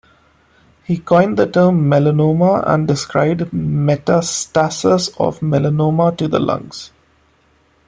He coined the term melanoma and described metastases of melanoma to the lungs.